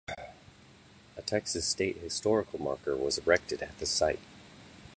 A Texas state historical marker was erected at the site.